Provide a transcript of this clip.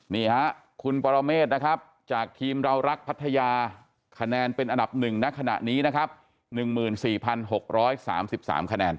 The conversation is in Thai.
นี่ฮะคุณปรเมฆนะครับจากทีมเรารักพัทยาคะแนนเป็นอันดับ๑ณขณะนี้นะครับ๑๔๖๓๓คะแนน